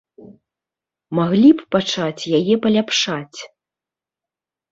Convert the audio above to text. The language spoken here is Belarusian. Маглі б пачаць яе паляпшаць.